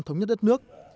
thống nhất đất nước